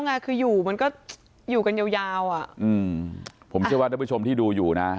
แล้วงานคืออยู่มันก็อยู่กันยาวผมเชื่อว่าท่านผู้ชมที่ดูอยู่นะ